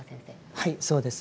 はいそうです。